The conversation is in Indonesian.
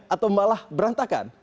atau malah berantakan